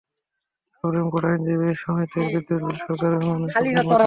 Supreme Court আইনজীবী সমিতির বিদ্যুৎ বিল সরকার মানে সুপ্রিম কোর্ট দেবে।